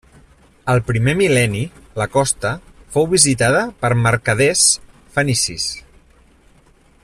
Al primer mil·lenni la costa fou visitada per mercaders fenicis.